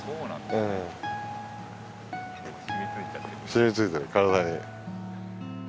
染みついてる体に。